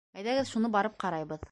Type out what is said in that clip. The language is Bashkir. Әйҙәгеҙ шуны барып ҡарайбыҙ.